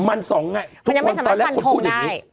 มันสองไงทุกคนตอนแรกคนพูดอย่างนี้